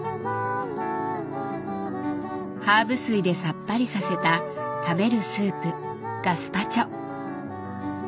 ハーブ水でさっぱりさせた食べるスープ「ガスパチョ」。